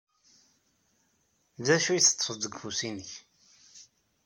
D acu ay teḍḍfeḍ deg ufus-nnek?